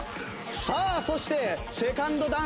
さあそしてセカンドダンス